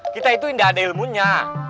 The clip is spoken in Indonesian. kita itu tidak ada ilmunya